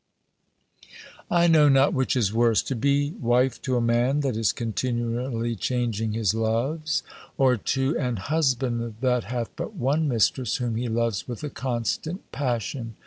I know not which is worse, to be wife to a man that is continually changing his loves, or to an husband that hath but one mistress whom he loves with a constant passion.